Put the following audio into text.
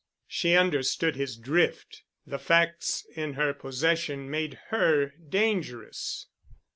She understood his drift. The facts in her possession made her dangerous.